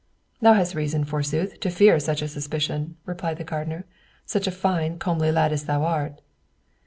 "Thou hast reason, forsooth, to fear such a suspicion," replied the gardener, "such a fine, comely lad as thou art."